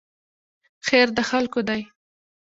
خیر د خلکو دی